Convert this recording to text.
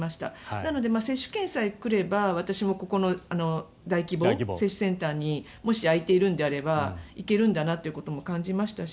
なので、接種券さえ来れば私もここの大規模接種センターにもし空いているんであれば行けるんだなということも感じましたし